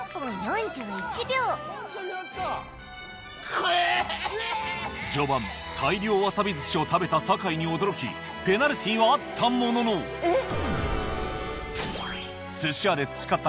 辛え序盤大量わさび寿司を食べた酒井に驚きペナルティーはあったもののえっ？